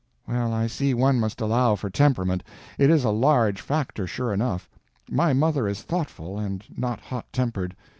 Well, I see one must allow for temperament. It is a large factor, sure enough. My mother is thoughtful, and not hot tempered.